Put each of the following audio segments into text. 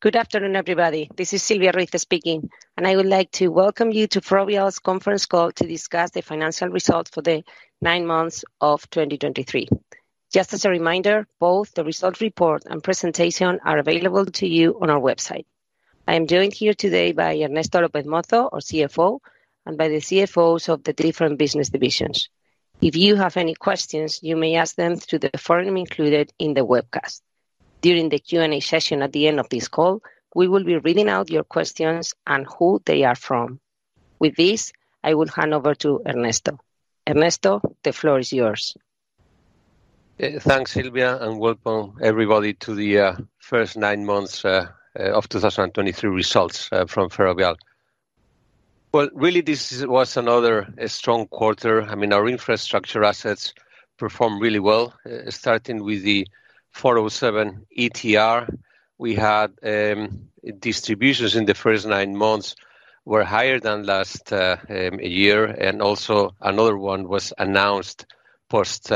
Good afternoon, everybody. This is Silvia Ruiz speaking, and I would like to welcome you to Ferrovial's Conference Call to discuss the financial results for the nine months of 2023. Just as a reminder, both the results report and presentation are available to you on our website. I am joined here today by Ernesto López Mozo, our CFO, and by the CFOs of the different business divisions. If you have any questions, you may ask them through the forum included in the webcast. During the Q&A session at the end of this call, we will be reading out your questions and who they are from. With this, I will hand over to Ernesto. Ernesto, the floor is yours. Thanks, Silvia, and welcome, everybody, to the first nine months of 2023 results from Ferrovial. Well, really, this was another strong quarter. I mean, our infrastructure assets performed really well, starting with the 407 ETR. We had distributions in the first nine months were higher than last year, and also another one was announced post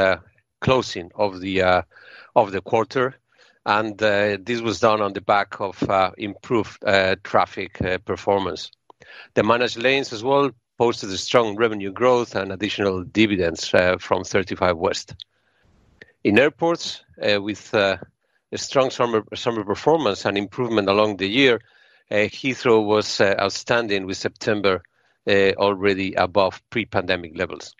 closing of the quarter, and this was done on the back of improved traffic performance. The managed lanes as well posted a strong revenue growth and additional dividends from 35 West. In airports, with a strong summer performance and improvement along the year, Heathrow was outstanding, with September already above pre-pandemic levels.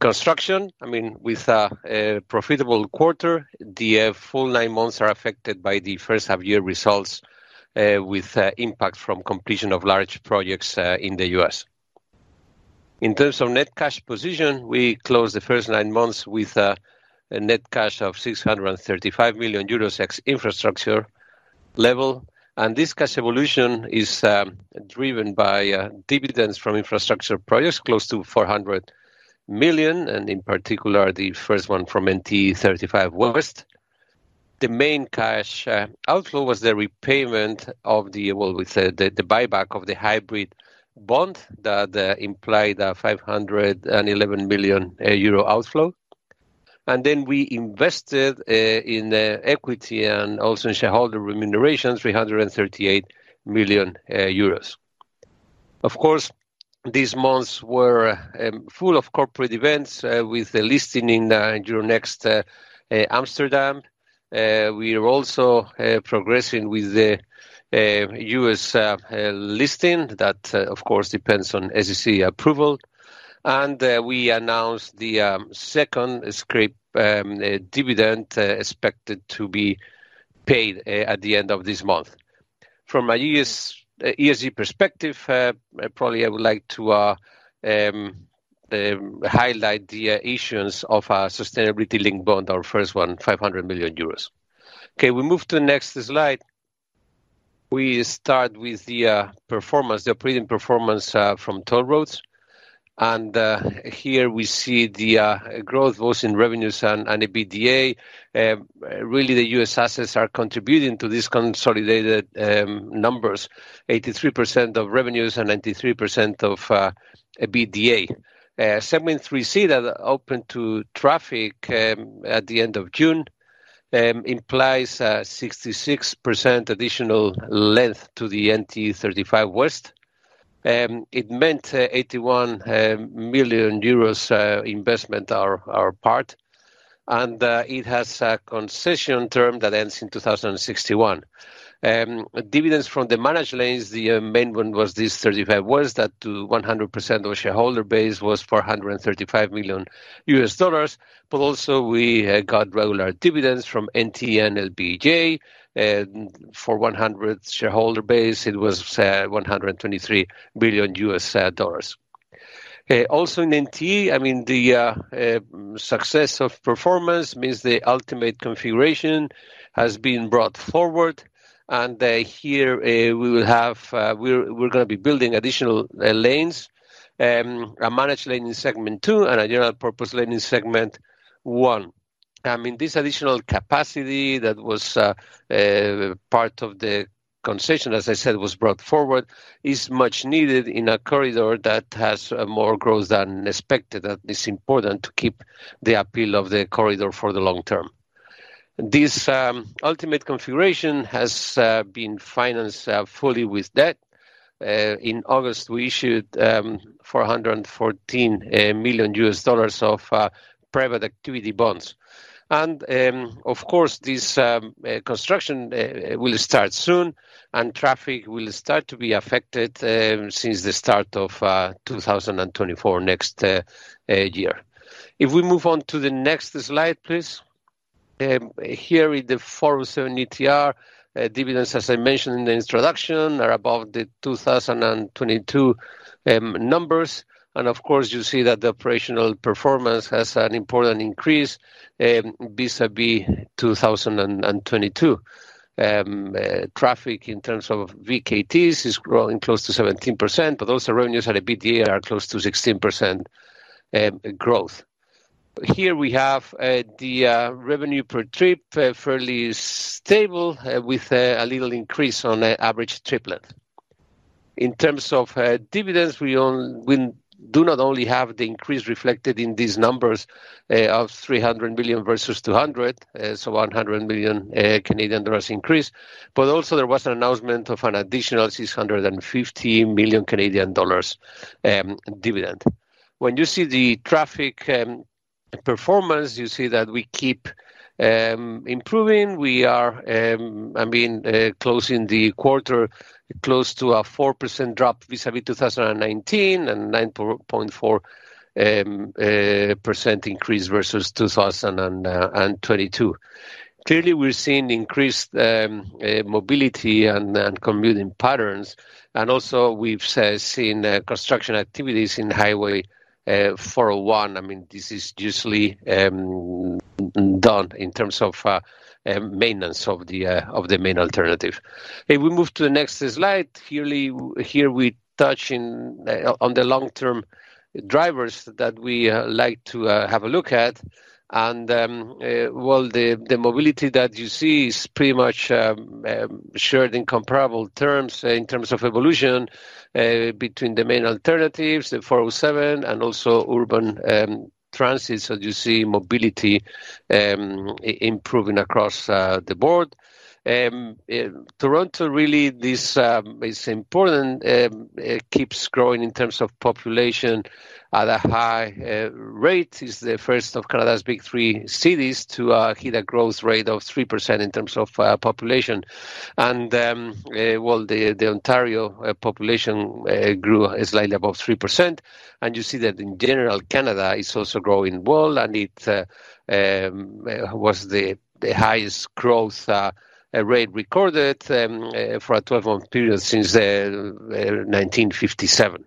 Construction, I mean, with a profitable quarter, the full nine months are affected by the first half year results, with impact from completion of large projects in the US. In terms of net cash position, we closed the first nine months with a net cash of 635 million euros ex infrastructure level, and this cash evolution is driven by dividends from infrastructure projects, close to 400 million, and in particular, the first one from NTE 35 West. The main cash outflow was the repayment of the... Well, we said the buyback of the hybrid bond, that implied a 511 million euro outflow. And then we invested in the equity and also in shareholder remuneration, 338 million euros. Of course, these months were full of corporate events, with the listing in the Euronext Amsterdam. We are also progressing with the U.S. listing. That, of course, depends on SEC approval. We announced the second scrip dividend, expected to be paid at the end of this month. From a U.S. ESG perspective, probably I would like to highlight the issuance of our sustainability-linked bond, our first one, 500 million euros. Okay, we move to the next slide. We start with the performance, the operating performance from Toll Roads. Here we see the growth, both in revenues and EBITDA. Really, the U.S. assets are contributing to these consolidated numbers, 83% of revenues and 93% of EBITDA. Segment 3C, that opened to traffic at the end of June, implies a 66% additional length to the NTE 35W. It meant 81 million euros investment on our part, and it has a concession term that ends in 2061. Dividends from the managed lanes, the main one was this 35W, that to 100% of shareholder base was $435 million, but also we got regular dividends from NTE and LBJ. For 100% shareholder base, it was $123 billion. Also in NTE, I mean, the success of performance means the ultimate configuration has been brought forward, and here we will have... We're gonna be building additional lanes, a managed lane in segment two and a general purpose lane in segment one. I mean, this additional capacity that was part of the concession, as I said, was brought forward, is much needed in a corridor that has more growth than expected, and it's important to keep the appeal of the corridor for the long term. This ultimate configuration has been financed fully with debt. In August, we issued $414 million of private activity bonds. Of course, this construction will start soon, and traffic will start to be affected since the start of 2024, next year. If we move on to the next slide, please. Here is the 407 ETR. Dividends, as I mentioned in the introduction, are above the 2022 numbers, and of course, you see that the operational performance has an important increase vis-à-vis 2022. Traffic in terms of VKTs is growing close to 17%, but also revenues and EBITDA are close to 16% growth. Here we have the revenue per trip, fairly stable, with a little increase on the average trip length. In terms of dividends, we only- we do not only have the increase reflected in these numbers of 300 million versus 200 million, so 100 million Canadian dollars increase, but also there was an announcement of an additional 650 million Canadian dollars dividend. When you see the traffic performance, you see that we keep improving. We are, I mean, closing the quarter close to a 4% drop vis-à-vis 2019, and 9.4% increase versus 2022. Clearly, we're seeing increased mobility and commuting patterns, and also we've seen construction activities in Highway 401. I mean, this is usually done in terms of maintenance of the main alternative. If we move to the next slide, here we touch on the long-term drivers that we like to have a look at. Well, the mobility that you see is pretty much shared in comparable terms, in terms of evolution between the main alternatives, the 407, and also urban transits. So you see mobility improving across the board. Toronto really is important, keeps growing in terms of population at a high rate. It's the first of Canada's big three cities to hit a growth rate of 3% in terms of population. And well, the Ontario population grew slightly above 3%, and you see that in general, Canada is also growing well, and it was the highest growth rate recorded for a 12-month period since 1957.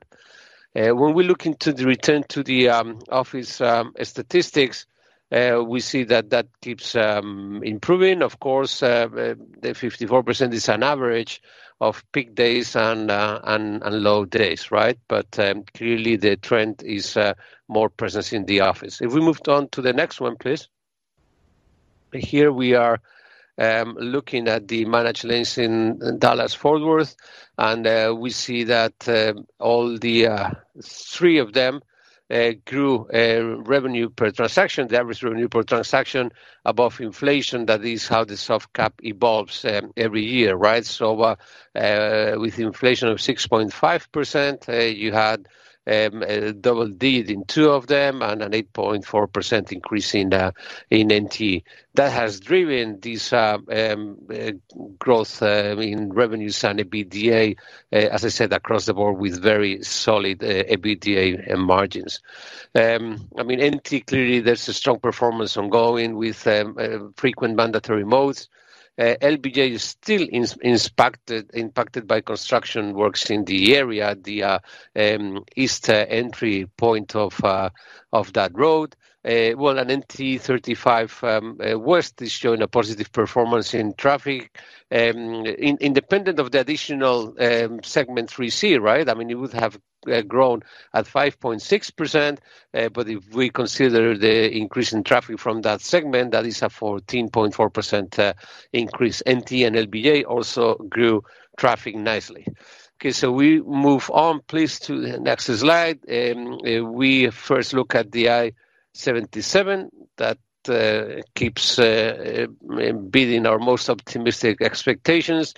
When we look into the return to the office statistics, we see that that keeps improving. Of course, the 54% is an average of peak days and low days, right? Clearly the trend is more presence in the office. If we moved on to the next one, please. Here we are, looking at the managed lanes in Dallas-Fort Worth, and we see that all three of them grew revenue per transaction, the average revenue per transaction above inflation. That is how the soft cap evolves every year, right? So, with inflation of 6.5%, you had double-digit in two of them and an 8.4% increase in NTE. That has driven this growth in revenues and EBITDA, as I said, across the board, with very solid EBITDA margins. I mean, NTE, clearly, there's a strong performance ongoing with frequent mandatory modes. LBJ is still impacted by construction works in the area, the east entry point of that road. Well, and NTE 35W is showing a positive performance in traffic, independent of the additional Segment 3C, right? I mean, it would have grown at 5.6%, but if we consider the increase in traffic from that segment, that is a 14.4% increase. NTE and LBJ also grew traffic nicely. Okay, so we move on, please, to the next slide. We first look at the I-77. That keeps beating our most optimistic expectations.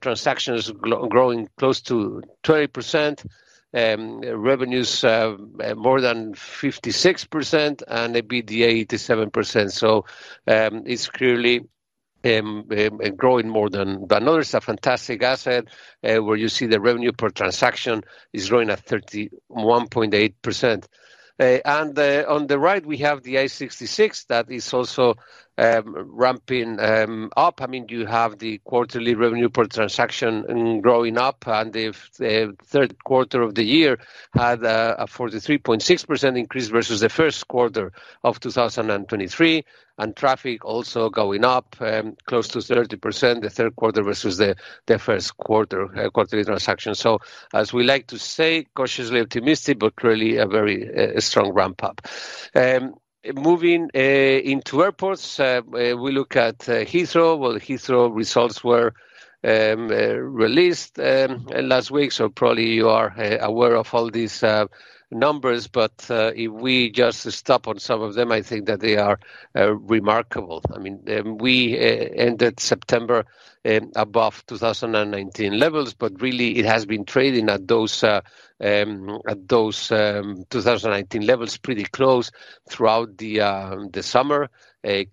Transactions growing close to 20%, revenues more than 56%, and EBITDA 87%. So, it's clearly growing more than another. It's a fantastic asset, where you see the revenue per transaction is growing at 31.8%. And on the right, we have the I-66 that is also ramping up. I mean, you have the quarterly revenue per transaction growing up, and Q3 of the year had a 43.6% increase versus Q1 of 2023, and traffic also going up close to 30%, Q3 versus Q1 quarterly transaction. So as we like to say, cautiously optimistic, but clearly a very strong ramp up. Moving into airports, we look at Heathrow. Well, Heathrow results were released last week, so probably you are aware of all these numbers, but if we just stop on some of them, I think that they are remarkable. I mean, we ended September above 2019 levels, but really it has been trading at those at those 2019 levels pretty close throughout the the summer.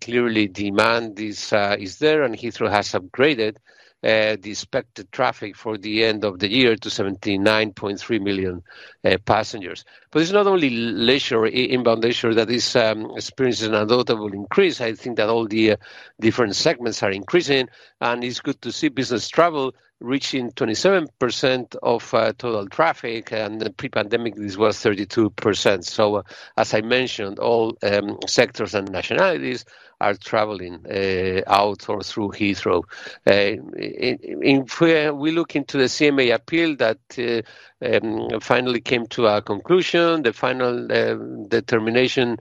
Clearly, demand is is there, and Heathrow has upgraded the expected traffic for the end of the year to 79.3 million passengers. But it's not only leisure, inbound leisure, that is experiencing a notable increase. I think that all the different segments are increasing, and it's good to see business travel reaching 27% of total traffic, and pre-pandemic, this was 32%. So as I mentioned, all sectors and nationalities are traveling out or through Heathrow. We look into the CMA appeal that finally came to a conclusion. The final determination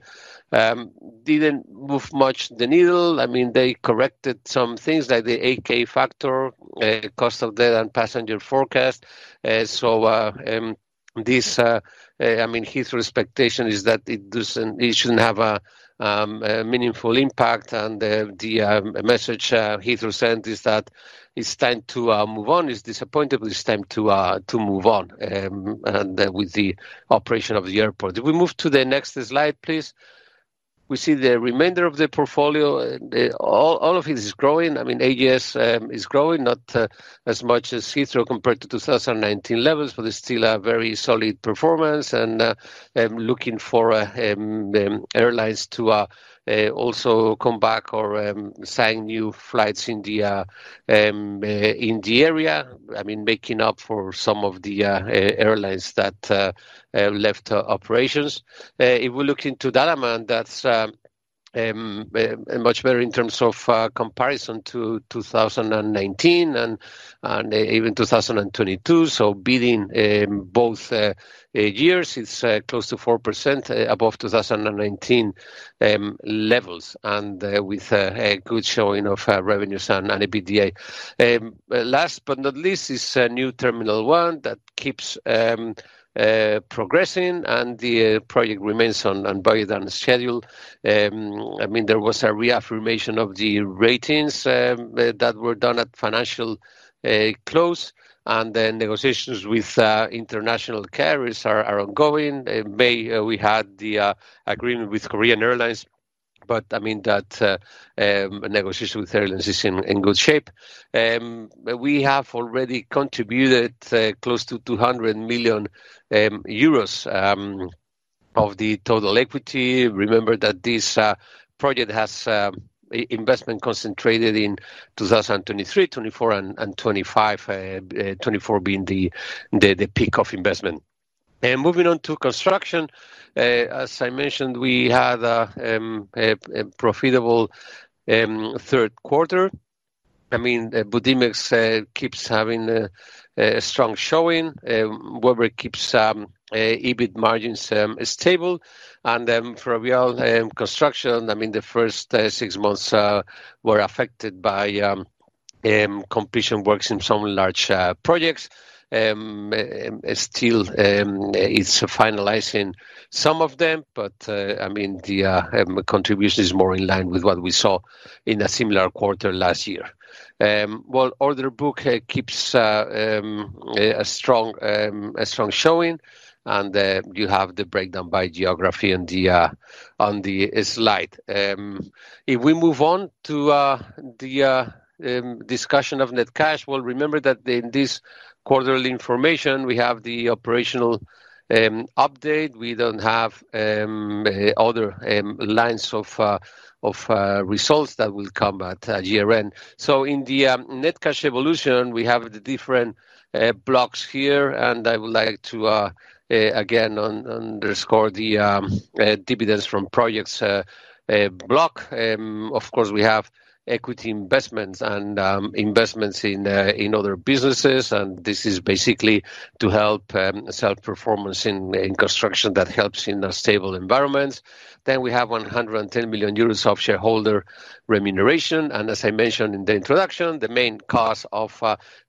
didn't move much the needle. I mean, they corrected some things, like the K factor, cost of debt and passenger forecast. I mean, Heathrow's expectation is that it doesn't, it shouldn't have a meaningful impact. And the message Heathrow sent is that it's time to move on. It's disappointing, but it's time to move on and with the operation of the airport. If we move to the next slide, please. We see the remainder of the portfolio, all of it is growing. I mean, AGS is growing, not as much as Heathrow compared to 2019 levels, but it's still a very solid performance, and looking for airlines to also come back or sign new flights in the area. I mean, making up for some of the airlines that left operations. If we look into that amount, that's much better in terms of comparison to 2019 and even 2022. So beating both years. It's close to 4% above 2019 levels, and with a good showing of revenues and EBITDA. Last but not least, is a New Terminal One that keeps progressing, and the project remains on budget and schedule. I mean, there was a reaffirmation of the ratings that were done at financial close, and the negotiations with international carriers are ongoing. In May, we had the agreement with Korean Air, but I mean, that negotiation with airlines is in good shape. We have already contributed close to 200 million euros of the total equity. Remember that this project has investment concentrated in 2023, 2024, and 2025, 2024 being the peak of investment. And moving on to construction, as I mentioned, we had a profitable Q3. I mean, Budimex keeps having a strong showing, where we keeps EBIT margins stable. And for construction, I mean, the first six months were affected by completion works in some large projects. Still, it's finalizing some of them, but I mean, the contribution is more in line with what we saw in a similar quarter last year. Well, order book keeps a strong showing, and you have the breakdown by geography on the slide. If we move on to the discussion of net cash, well, remember that in this quarterly information, we have the operational update. We don't have other lines of results that will come at year-end. So in the net cash evolution, we have the different blocks here, and I would like to again underscore the dividends from projects block. Of course, we have equity investments and investments in other businesses, and this is basically to help sell performance in construction that helps in unstable environments. Then we have 110 million euros of shareholder remuneration, and as I mentioned in the introduction, the main cause of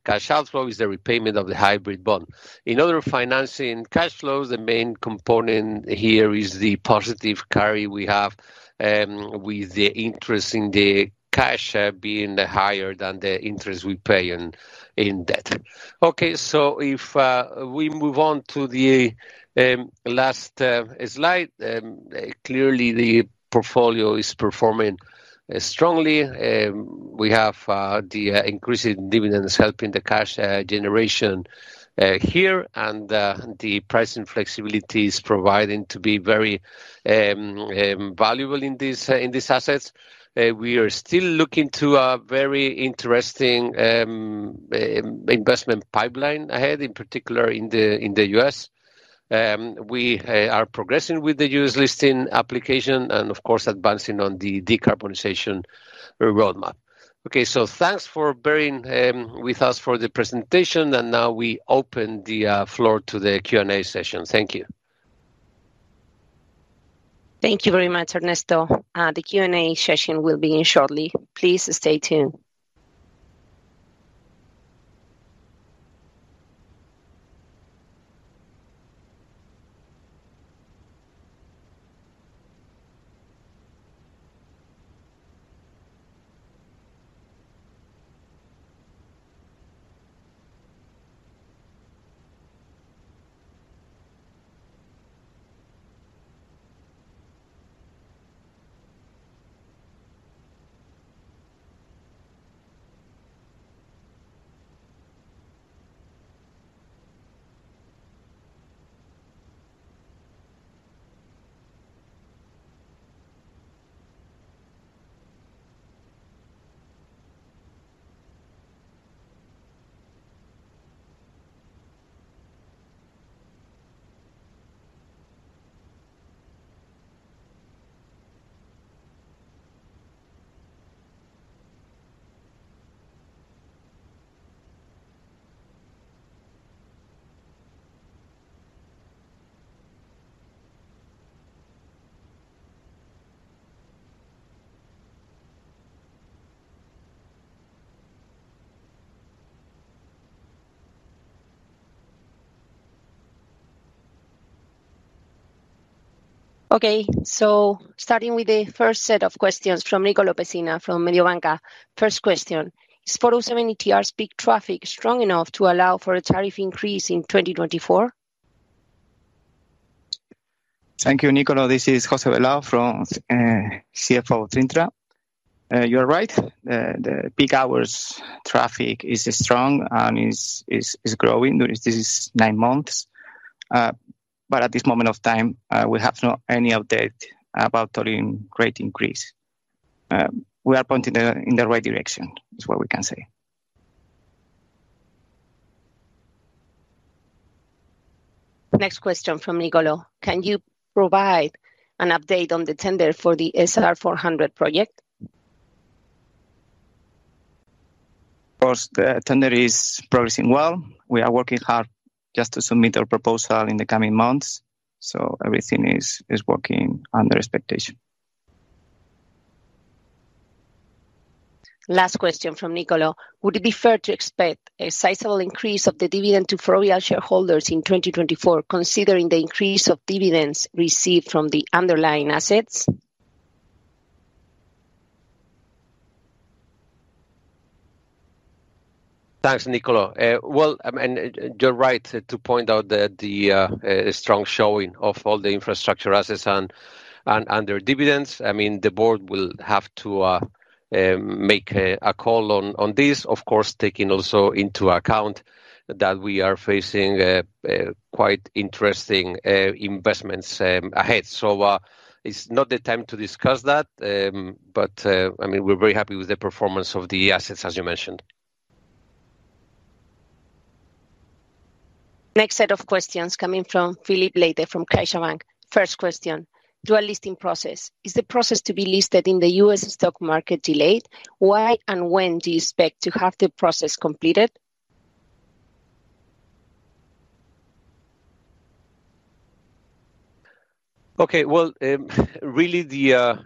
cash outflow is the repayment of the Hybrid Bond. In other financing cash flows, the main component here is the positive carry we have with the interest in the cash being higher than the interest we pay in debt. Okay, so if we move on to the last slide, clearly, the portfolio is performing strongly. We have the increasing dividends helping the cash generation here, and the pricing flexibility is providing to be very valuable in these assets. We are still looking to a very interesting investment pipeline ahead, in particular in the U.S. We are progressing with the U.S. listing application and of course, advancing on the decarbonization roadmap. Okay, so thanks for bearing with us for the presentation, and now we open the floor to the Q&A session. Thank you. Thank you very much, Ernesto. The Q&A session will begin shortly. Please stay tuned.... Okay, so starting with the first set of questions from Nicolò Pecina from Mediobanca. First question: Is 407 ETR's peak traffic strong enough to allow for a tariff increase in 2024? Thank you, Nicolò. This is José Velao, CFO of Cintra. You are right. The peak hours traffic is strong and is growing during this nine months. But at this moment of time, we have not any update about tolling rate increase. We are pointing in the right direction, is what we can say. Next question from Nicolò. Can you provide an update on the tender for the SR 400 project? Of course, the tender is progressing well. We are working hard just to submit our proposal in the coming months, so everything is working under expectation. Last question from Nicolò. Would it be fair to expect a sizable increase of the dividend to Ferrovial shareholders in 2024, considering the increase of dividends received from the underlying assets? Thanks, Nicolò. Well, I mean, you're right to point out that the strong showing of all the infrastructure assets and under dividends. I mean, the board will have to make a call on this. Of course, taking also into account that we are facing quite interesting investments ahead. So, it's not the time to discuss that, but I mean, we're very happy with the performance of the assets, as you mentioned. Next set of questions coming from Filipe Leite from CaixaBank. First question: Dual listing process. Is the process to be listed in the U.S. stock market delayed? Why, and when do you expect to have the process completed? Okay, well, really, the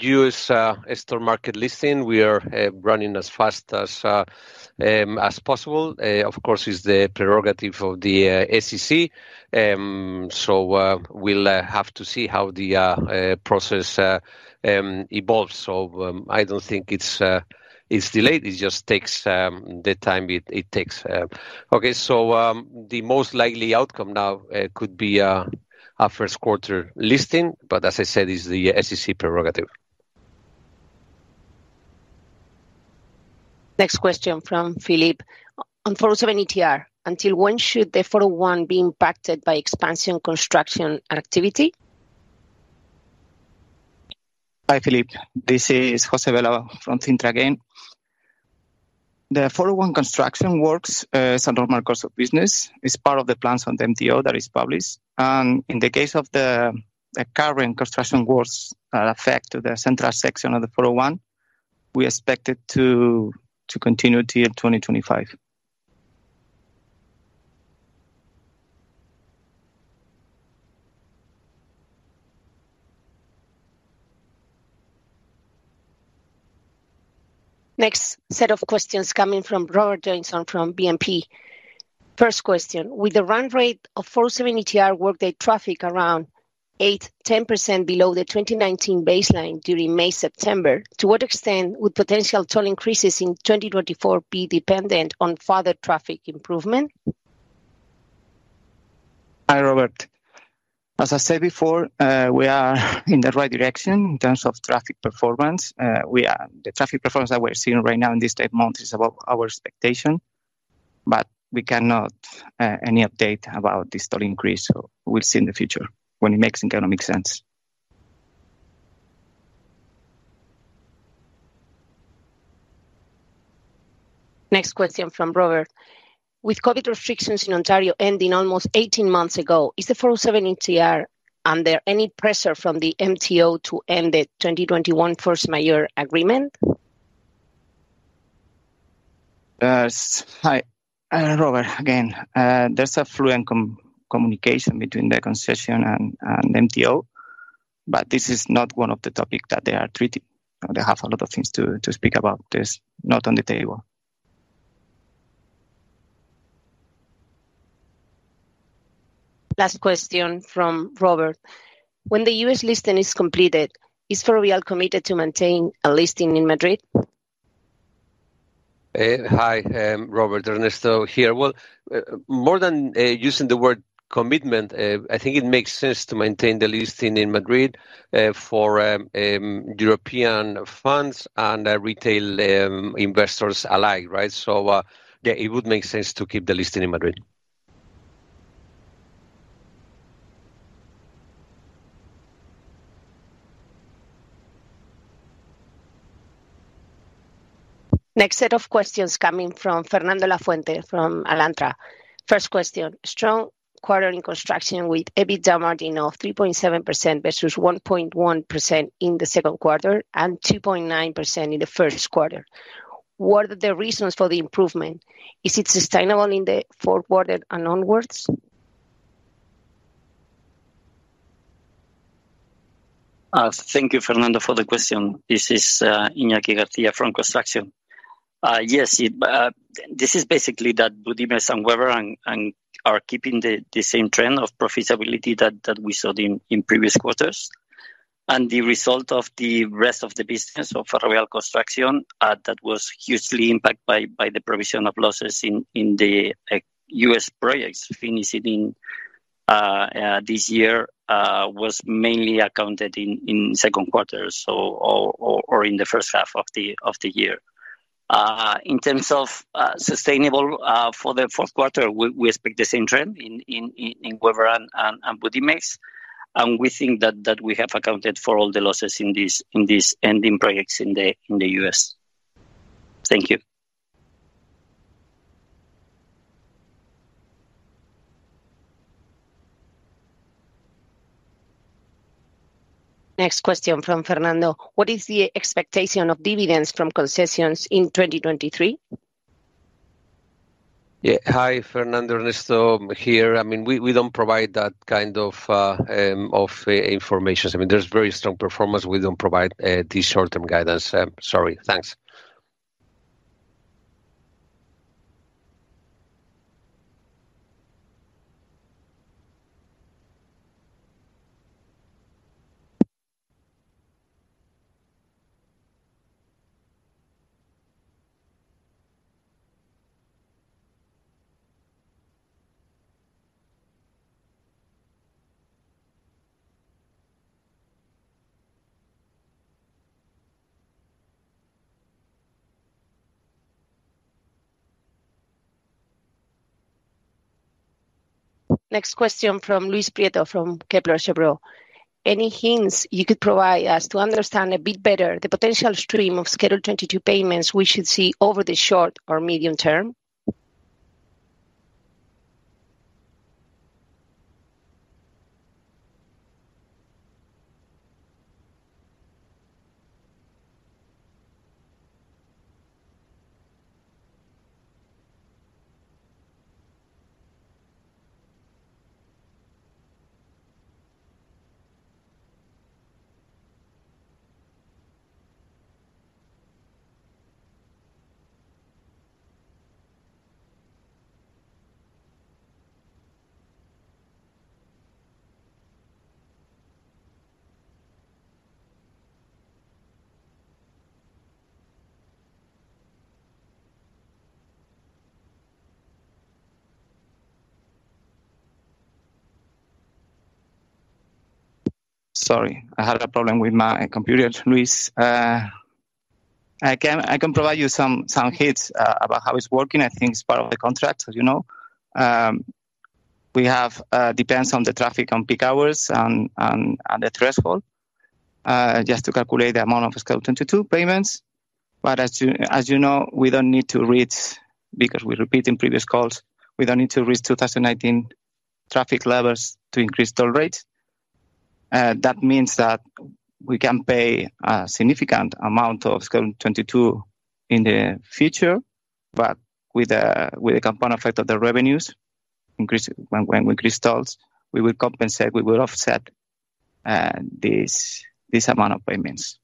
U.S. stock market listing, we are running as fast as possible. Of course, it's the prerogative of the SEC, so we'll have to see how the process evolves. So, I don't think it's delayed, it just takes the time it takes. Okay, so, the most likely outcome now could be a Q1 listing, but as I said, it's the SEC prerogative. Next question from Filipe. On 407 ETR, until when should the 401 be impacted by expansion, construction, and activity? Hi, Filipe. This is José Velao from Cintra again. The 401 construction works is a normal course of business. It's part of the plans on the MTO that is published. And in the case of the current construction works affect the central section of the 401, we expect it to continue till 2025. Next set of questions coming from Robert Joynson from BNP. First question: With the run rate of 407 ETR workday traffic around 8%-10% below the 2019 baseline during May, September, to what extent would potential toll increases in 2024 be dependent on further traffic improvement? Hi, Robert. As I said before, we are in the right direction in terms of traffic performance. The traffic performance that we're seeing right now in this eight months is above our expectation, but we cannot any update about this toll increase, so we'll see in the future when it makes economic sense. Next question from Robert. With COVID restrictions in Ontario ending almost 18 months ago, is the 407 ETR under any pressure from the MTO to end the 2021 first moratorium agreement? Hi, Robert, again. There's a fluent communication between the concession and MTO, but this is not one of the topics that they are treating. They have a lot of things to speak about. This, not on the table. Last question from Robert: When the U.S. listing is completed, is Ferrovial committed to maintain a listing in Madrid? Hi, Robert. Ernesto here. Well, more than using the word commitment, I think it makes sense to maintain the listing in Madrid for European funds and retail investors alike, right? Yeah, it would make sense to keep the listing in Madrid. Next set of questions coming from Fernando Lafuente, from Alantra. First question: Strong quarter in construction with EBITDA margin of 3.7% versus 1.1% in the Q2, and 2.9% in Q1. What are the reasons for the improvement? Is it sustainable in Q4 and onwards? Thank you, Fernando, for the question. This is Iñaki García from Construction. Yes, it this is basically that Budimex and Webber and are keeping the same trend of profitability that we saw in previous quarters. The result of the rest of the business of Ferrovial Construction that was hugely impacted by the provision of losses in the U.S. projects finishing this year was mainly accounted in Q2 or in the first half of the year. In terms of sustainable for Q4, we expect the same trend in Webber and Budimex. We think that we have accounted for all the losses in these ending projects in the U.S. Thank you. Next question from Fernando: What is the expectation of dividends from concessions in 2023? Yeah. Hi, Fernando. Ernesto here. I mean, we don't provide that kind of information. I mean, there's very strong performance. We don't provide the short-term guidance. Sorry. Thanks. Next question from Luis Prieto from Kepler Cheuvreux. Any hints you could provide us to understand a bit better the potential stream of Schedule 22 payments we should see over the short or medium term? Sorry, I had a problem with my computer, Luis. I can, I can provide you some, some hints about how it's working. I think it's part of the contract, as you know. We have -- depends on the traffic on peak hours and, and, and the threshold, just to calculate the amount of Schedule 22 payments. But as you, as you know, we don't need to reach - because we repeat in previous calls - we don't need to reach 2018 traffic levels to increase toll rates. That means that we can pay a significant amount of Schedule 22 in the future, but with a, with a compound effect of the revenues increase when, when we increase tolls, we will compensate, we will offset, this, this amount of payments.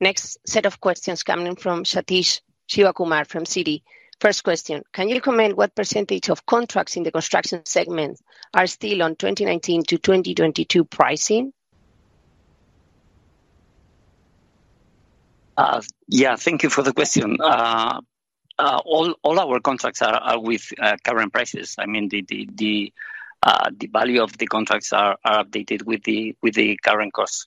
Next set of questions coming from Sathish Sivakumar from Citi. First question, can you recommend what percentage of contracts in the construction segment are still on 2019 to 2022 pricing? Yeah, thank you for the question. All our contracts are with current prices. I mean, the value of the contracts are updated with the current costs.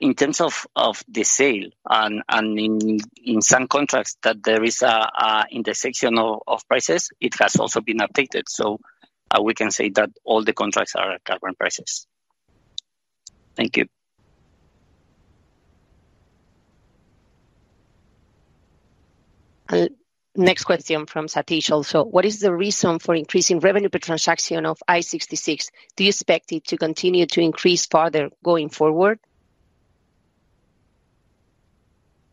In terms of the sale and in some contracts that there is a intersection of prices, it has also been updated. So, we can say that all the contracts are at current prices. Thank you. Next question from Sathish also. What is the reason for increasing revenue per transaction of I-66? Do you expect it to continue to increase further going forward?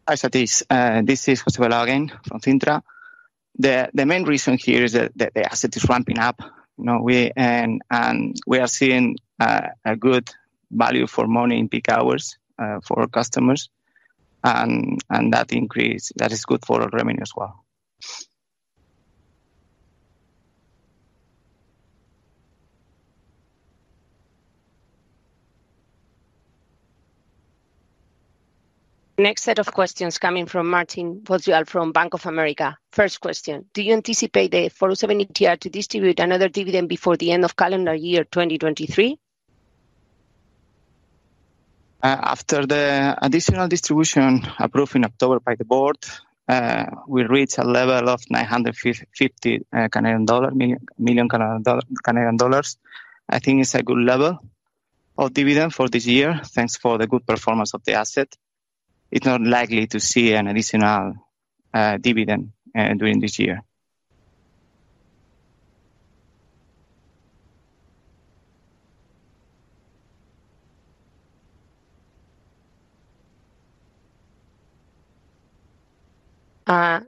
Hi, Sathish, this is José again from Cintra. The main reason here is that the asset is ramping up. You know, we and we are seeing a good value for money in peak hours for our customers, and that increase, that is good for our revenue as well. Next set of questions coming from Marcin Wojtal from Bank of America. First question, do you anticipate the 407 ETR to distribute another dividend before the end of calendar year 2023? After the additional distribution approved in October by the board, we reached a level of 950 million Canadian dollar. I think it's a good level of dividend for this year, thanks for the good performance of the asset. It's not likely to see an additional dividend during this year....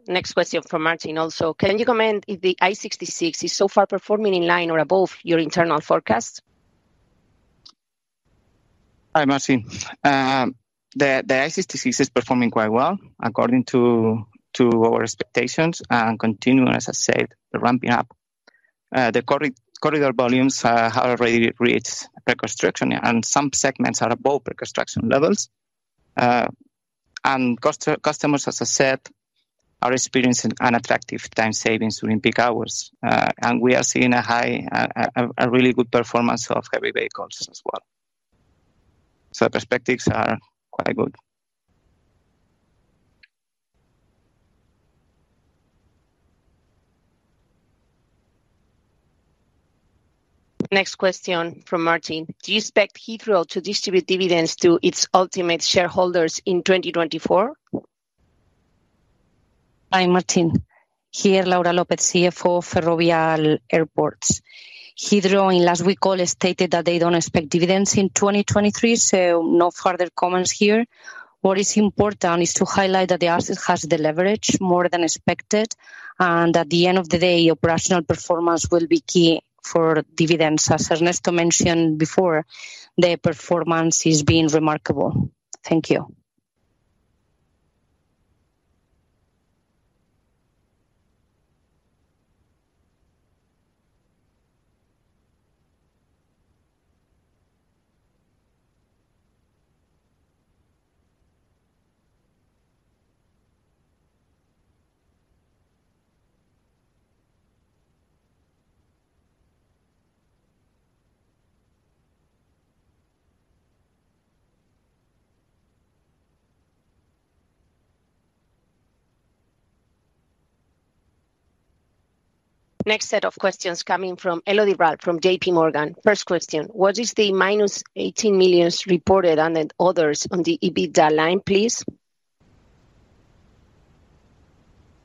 Next question from Marcin also. Can you comment if the I-66 is so far performing in line or above your internal forecast? Hi, Marcin. The I-66 is performing quite well according to our expectations and continuing, as I said, the ramping up. The corridor volumes have already reached pre-construction, and some segments are above pre-construction levels. And customers, as I said, are experiencing an attractive time savings during peak hours. And we are seeing a really good performance of heavy vehicles as well. So perspectives are quite good. Next question from Marcin: Do you expect Heathrow to distribute dividends to its ultimate shareholders in 2024? Hi, Marcin. Here, Laura López, CFO, Ferrovial Airports. Heathrow, in last week call, stated that they don't expect dividends in 2023, so no further comments here. What is important is to highlight that the asset has the leverage more than expected, and at the end of the day, operational performance will be key for dividends. As, as Ernesto mentioned before, their performance is being remarkable. Thank you. Next set of questions coming from Elodie Rall from JP Morgan. First question: What is the -18 million reported under others on the EBITDA line, please?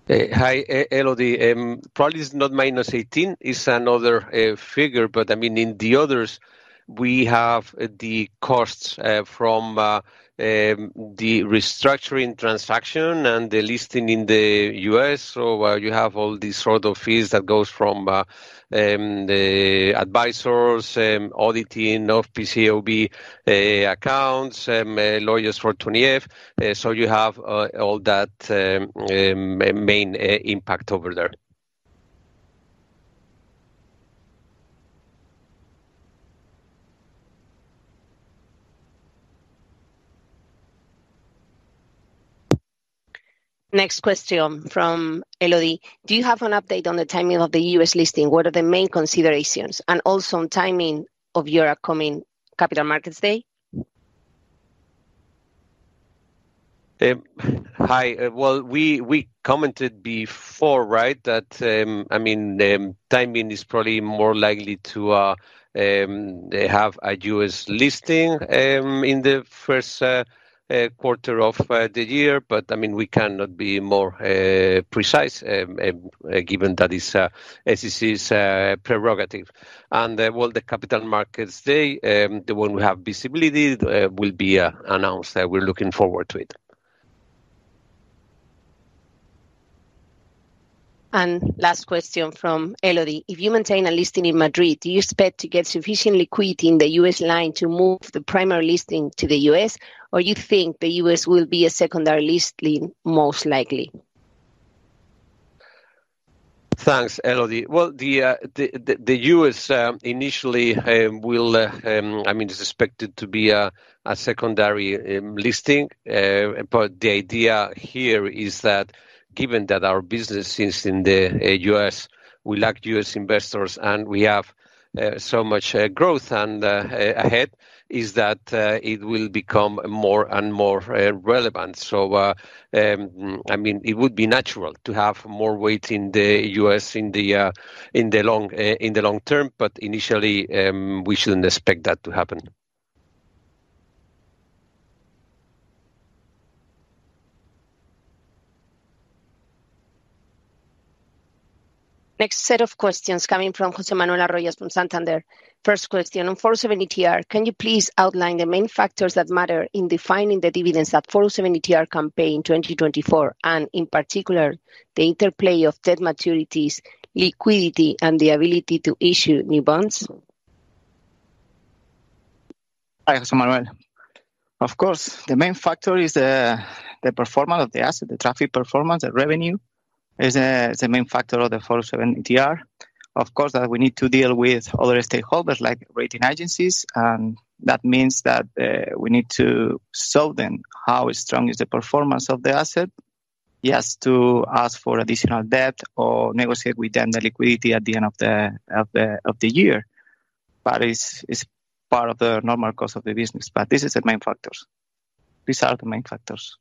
Hi, Elodie. Probably it's not minus 18, it's another figure. But, I mean, in the others, we have the costs from the restructuring transaction and the listing in the U.S. So, you have all these sort of fees that goes from the advisors, auditing of PCAOB accounts, lawyers for 20-F. So you have all that main impact over there. Next question from Elodie. Do you have an update on the timing of the U.S. listing? What are the main considerations? And also on timing of your upcoming Capital Markets day? Hi. Well, we commented before, right? That, I mean, timing is probably more likely to have a U.S. listing in Q1 of the year. But, I mean, we cannot be more precise given that it's SEC's prerogative. And, well, the Capital Markets Day, the one we have visibility, will be announced, and we're looking forward to it. Last question from Elodie. If you maintain a listing in Madrid, do you expect to get sufficient liquidity in the U.S. line to move the primary listing to the U.S., or you think the U.S. will be a secondary listing, most likely? Thanks, Elodie. Well, the U.S. initially will... I mean, it's expected to be a secondary listing. But the idea here is that, given that our business is in the U.S., we lack U.S. investors, and we have so much growth and ahead, is that it will become more and more relevant. So, I mean, it would be natural to have more weight in the U.S. in the long term, but initially, we shouldn't expect that to happen. Next set of questions coming from José Manuel Arroyas from Santander. First question: On 407 ETR, can you please outline the main factors that matter in defining the dividends that 407 ETR can pay in 2024, and in particular, the interplay of debt maturities, liquidity, and the ability to issue new bonds? Hi, José Manuel. Of course, the main factor is, the performance of the asset, the traffic performance, the revenue is, is the main factor of the 407 ETR. Of course, that we need to deal with other stakeholders, like rating agencies, and that means that, we need to show them how strong is the performance of the asset. Yes, to ask for additional debt or negotiate with them the liquidity at the end of the, of the, of the year. But it's, it's part of the normal course of the business, but this is the main factors. These are the main factors.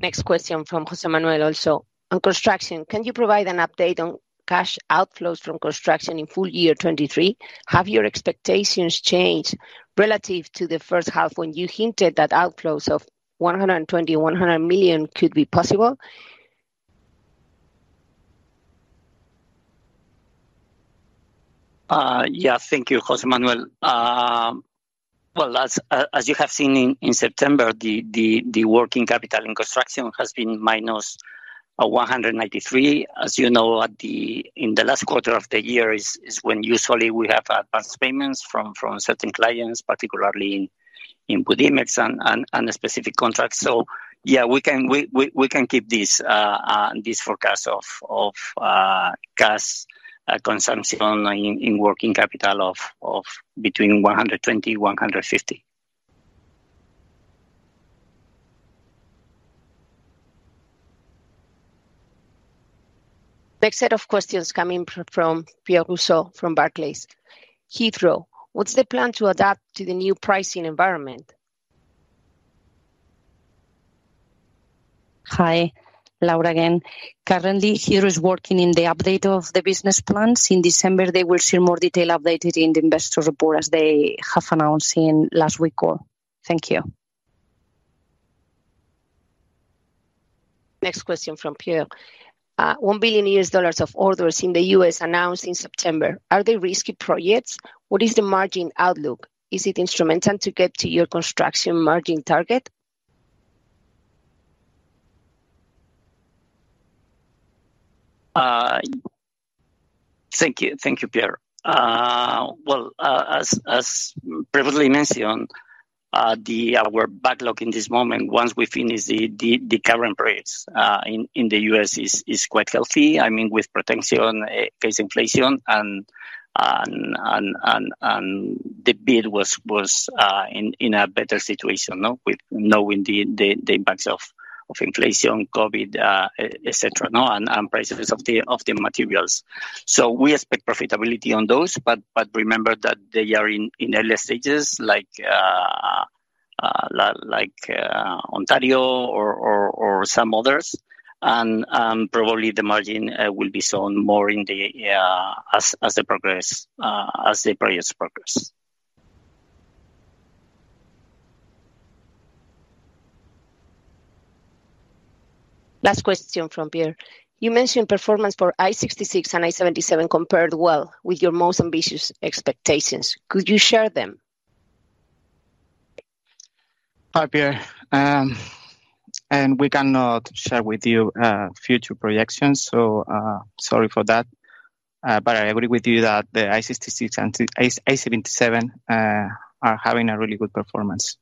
Next question from José Manuel also. On construction, can you provide an update on cash outflows from construction in full year 2023? Have your expectations changed relative to the first half, when you hinted that outflows of 100-120 million could be possible? Yeah, thank you, José Manuel. Well, as you have seen in September, the working capital in construction has been minus 193 million. As you know, at the—in the last quarter of the year is when usually we have advanced payments from certain clients, particularly in Budimex and specific contracts. So yeah, we can keep this forecast of cash consumption in working capital of between 120 million and 150 million. Next set of questions coming from Pierre Rousseau from Barclays. Heathrow, what's the plan to adapt to the new pricing environment? Hi, Laura again. Currently, Heathrow is working in the update of the business plans. In December, they will share more detailed updates in the investor report, as they have announced in last week's call. Thank you. Next question from Pierre. $1 billion of orders in the U.S. announced in September, are they risky projects? What is the margin outlook? Is it instrumental to get to your construction margin target? Thank you. Thank you, Pierre. Well, as previously mentioned, our backlog in this moment, once we finish the current rates in the U.S. is quite healthy. I mean, with protection against inflation and the bid was in a better situation, no? With knowing the impacts of inflation, COVID, et cetera, no, and prices of the materials. So we expect profitability on those, but remember that they are in early stages, like Ontario or some others. And, probably the margin will be shown more as the projects progress. Last question from Pierre. You mentioned performance for I-66 and I-77 compared well with your most ambitious expectations. Could you share them? Hi, Pierre. And we cannot share with you future projections, so, sorry for that. But I agree with you that the I-66 and I-77 are having a really good performance.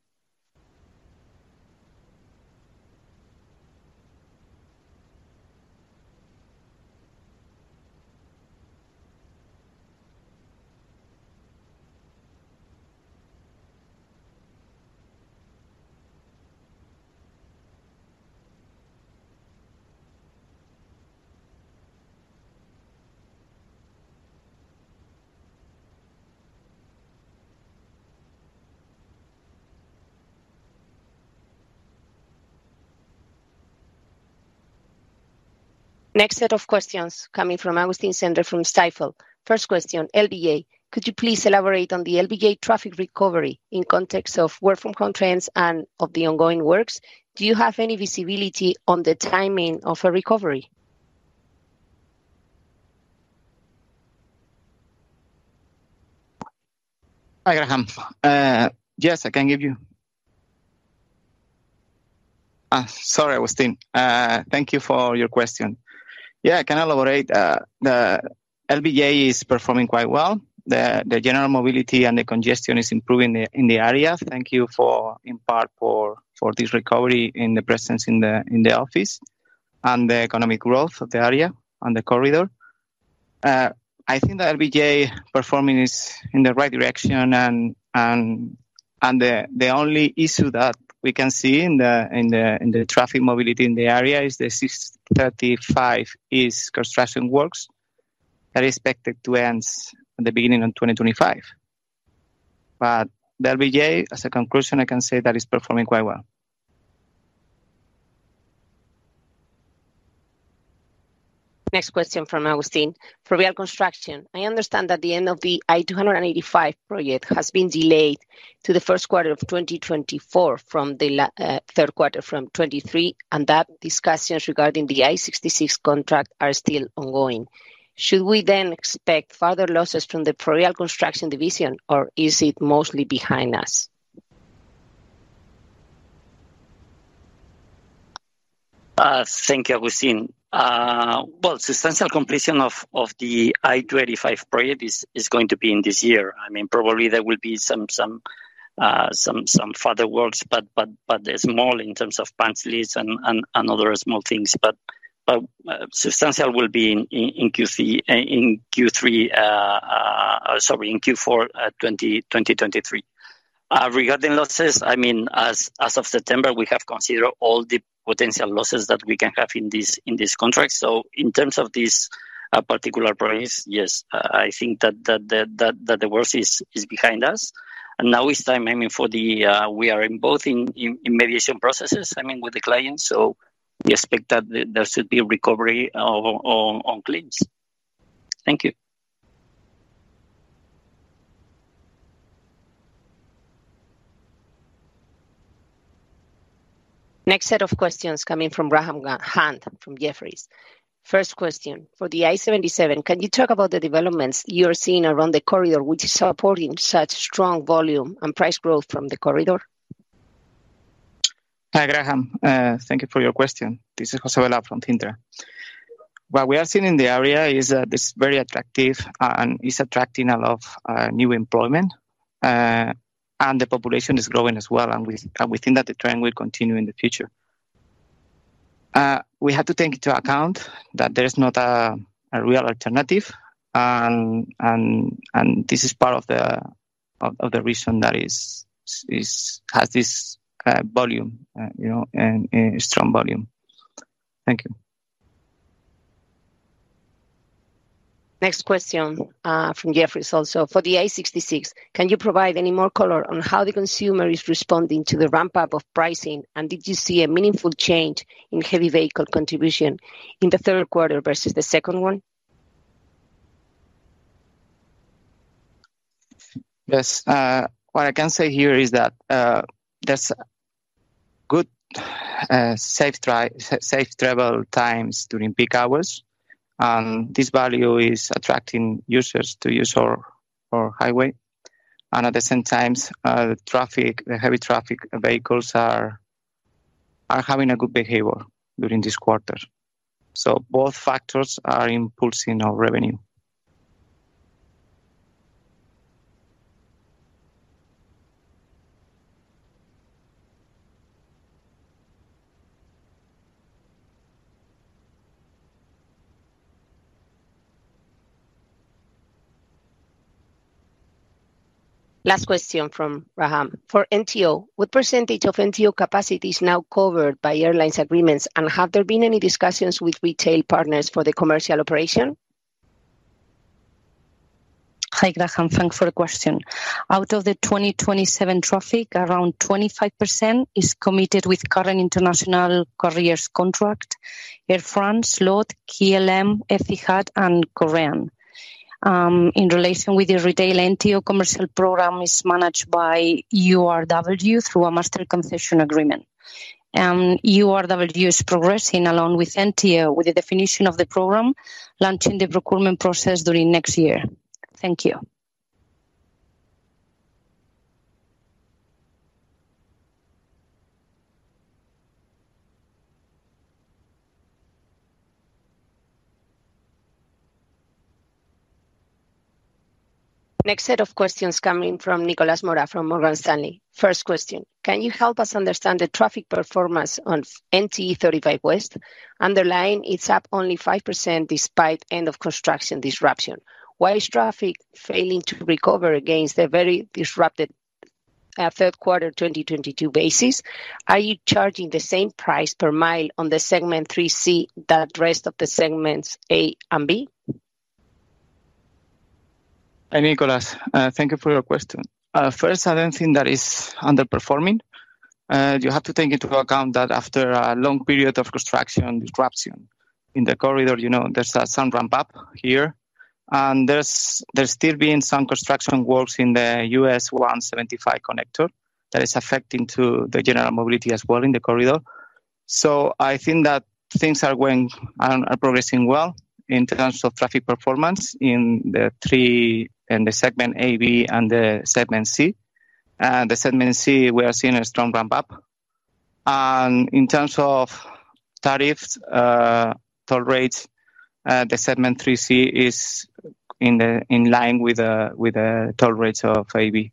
Next set of questions coming from Augustin Cendre from Stifel. First question, LBJ. Could you please elaborate on the LBJ traffic recovery in context of work from home trends and of the ongoing works? Do you have any visibility on the timing of a recovery? Hi, Graham. Yes, I can give you... Sorry, Augustin. Thank you for your question. Yeah, I can elaborate. The LBJ is performing quite well. The general mobility and the congestion is improving in the area. Thanks to, in part, this recovery in the presence in the office and the economic growth of the area and the corridor. I think the LBJ performing is in the right direction, and the only issue that we can see in the traffic mobility in the area is the I-635 construction works that is expected to end at the beginning of 2025. But the LBJ, as a conclusion, I can say that is performing quite well. Next question from Augustin. For Ferrovial Construction, I understand that the end of the I-285 project has been delayed to Q1 of 2024 from Q3 of 2023, and that discussions regarding the I-66 contract are still ongoing. Should we then expect further losses from the Ferrovial construction division, or is it mostly behind us? Thank you, Augustin. Well, substantial completion of the I-285 project is going to be in this year. I mean, probably there will be some further works, but they're small in terms of punch lists and other small things. But substantial will be in Q4... Sorry, in Q4, 2023. Regarding losses, I mean, as of September, we have considered all the potential losses that we can have in this contract. So in terms of this particular project, yes, I think that the worst is behind us, and now it's time, I mean, for the... We are in both mediation processes, I mean, with the clients, so we expect that there should be a recovery on claims. Thank you. ... Next set of questions coming from Graham Hunt, from Jefferies. First question: For the I-77, can you talk about the developments you're seeing around the corridor, which is supporting such strong volume and price growth from the corridor? Hi, Graham. Thank you for your question. This is José Velao from Cintra. What we are seeing in the area is, it's very attractive, and it's attracting a lot of new employment. And the population is growing as well, and we and we think that the trend will continue in the future. We have to take into account that there is not a real alternative, and this is part of the reason that has this volume, you know, and strong volume. Thank you. Next question from Jefferies also: For the I-66, can you provide any more color on how the consumer is responding to the ramp-up of pricing? And did you see a meaningful change in heavy vehicle contribution in Q3 versus the second one? Yes. What I can say here is that, there's good, safe travel times during peak hours, and this value is attracting users to use our highway. And at the same time, traffic, the heavy traffic vehicles are having a good behavior during this quarter. So both factors are impulsing our revenue. Last question from Graham: For NTO, what percentage of NTO capacity is now covered by airlines agreements, and have there been any discussions with retail partners for the commercial operation? Hi, Graham, thanks for the question. Out of the 2027 traffic, around 25% is committed with current international carriers contract, Air France, LOT, KLM, Etihad and Korean. In relation with the retail, NTO commercial program is managed by URW through a master concession agreement. URW is progressing along with NTO with the definition of the program, launching the procurement process during next year. Thank you. Next set of questions coming from Nicolas Mora, from Morgan Stanley. First question: Can you help us understand the traffic performance on NTE 35 West? Underlying, it's up only 5% despite end of construction disruption. Why is traffic failing to recover against a very disrupted Q3, 2022 basis? Are you charging the same price per mile on the segment 3C that rest of the segments A and B? Hi, Nicolas. Thank you for your question. First, I don't think that is underperforming. You have to take into account that after a long period of construction disruption in the corridor, you know, there's some ramp up here. And there's still been some construction works in the U.S. 175 connector that is affecting to the general mobility as well in the corridor. So I think that things are going and are progressing well in terms of traffic performance in the three... in the Segment A, B and the Segment C. The Segment C, we are seeing a strong ramp-up. And in terms of tariffs, toll rates, the Segment 3C is in line with toll rates of AB.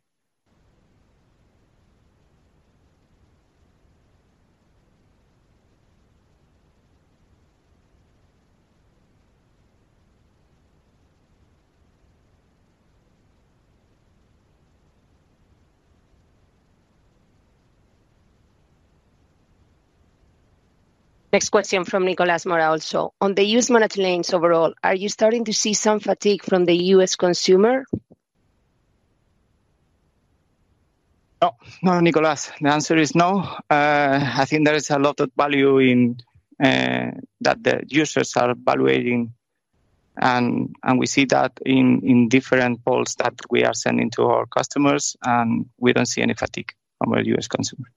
Next question from Nicolas Mora also: On the U.S. managed lanes overall, are you starting to see some fatigue from the U.S. consumer? No. No, Nicolas, the answer is no. I think there is a lot of value in that the users are evaluating, and we see that in different polls that we are sending to our customers, and we don't see any fatigue from a US consumer.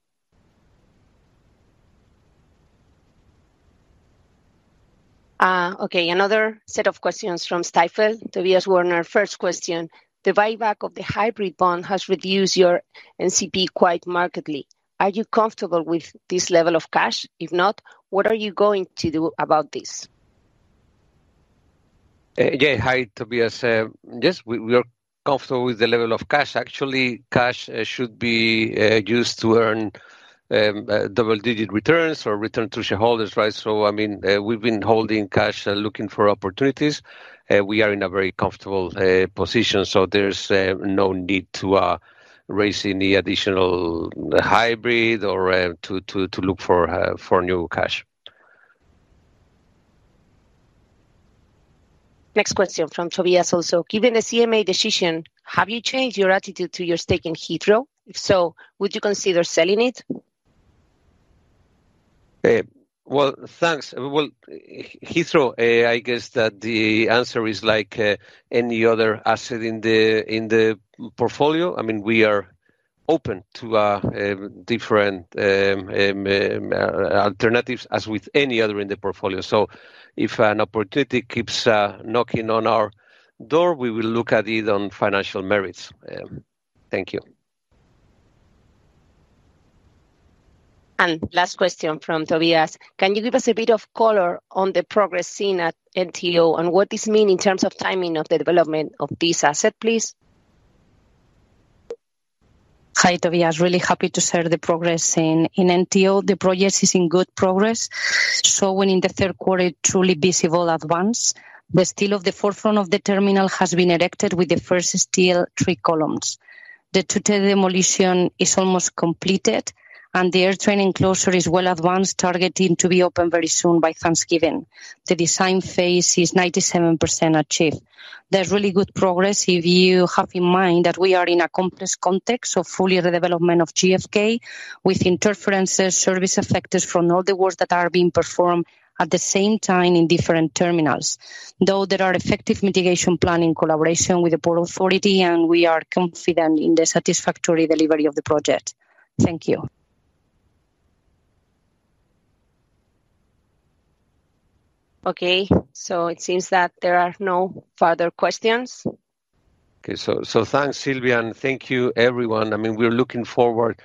Okay, another set of questions from Stifel, Tobias Woerner. First question: The buyback of the hybrid bond has reduced your NCP quite markedly. Are you comfortable with this level of cash? If not, what are you going to do about this? Yeah. Hi, Tobias. Yes, we are comfortable with the level of cash. Actually, cash should be used to earn double-digit returns or return to shareholders, right? So I mean, we've been holding cash, looking for opportunities, we are in a very comfortable position, so there's no need to raise any additional hybrid or to look for new cash. Next question from Tobias also: Given the CMA decision, have you changed your attitude to your stake in Heathrow? If so, would you consider selling it? Well, thanks. Well, Heathrow, I guess that the answer is like any other asset in the, in the portfolio. I mean, we are open to different alternatives, as with any other in the portfolio. So if an opportunity keeps knocking on our door, we will look at it on financial merits. Thank you. Last question from Tobias: Can you give us a bit of color on the progress seen at NTO, and what this mean in terms of timing of the development of this asset, please? Hi, Tobias, really happy to share the progress in NTO. The project is in good progress, showing in Q3, truly visible at once. The steel of the forefront of the terminal has been erected with the first steel three columns. The total demolition is almost completed, and the Air Train enclosure is well advanced, targeting to be open very soon by Thanksgiving. The design phase is 97% achieved. There's really good progress if you have in mind that we are in a complex context of fully the development of JFK, with interferences, service affected from all the works that are being performed at the same time in different terminals. Though there are effective mitigation plan in collaboration with the Port Authority, and we are confident in the satisfactory delivery of the project. Thank you. Okay, so it seems that there are no further questions. Okay. So, thanks, Silvia, and thank you, everyone. I mean, we're looking forward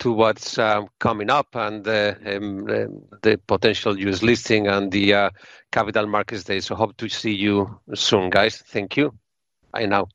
to what's coming up and the potential U.S. listing and the Capital Markets Day. So hope to see you soon, guys. Thank you. Bye now.